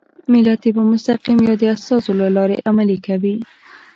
ملت یې په مستقیم یا د استازو له لارې عملي کوي.